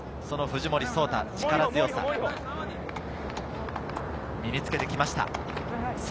その藤森颯太、力強さを身につけてきました。